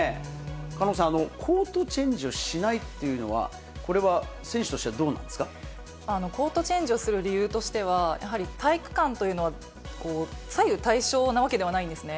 狩野さん、コートチェンジをしないっていうのは、これは選手としてはどうなコートチェンジをする理由としては、やはり体育館というのは、左右対称なわけではないんですね。